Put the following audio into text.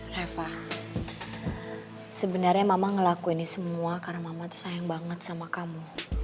reva sebenarnya mama ngelakuin ini semua karena mama tuh sayang banget sama kamu